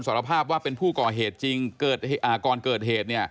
สารภาพว่าเป็นผู้ก่อเหตุจริงก่อนเกิดเหตุ